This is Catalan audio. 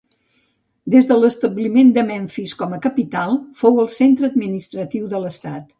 Des de l'establiment de Memfis com a capital, fou el centre administratiu de l'estat.